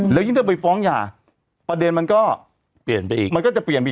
แล้วยิ่งถ้าไปฟ้องหยาประเด็นมันก็เปลี่ยนไปอีก